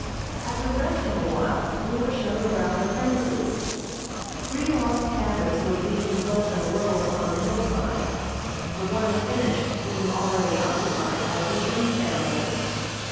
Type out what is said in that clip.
After resting a while we were shown around the premises. Three log cabins were being built in a row upon the hillside, the one finished being already occupied by the M. family.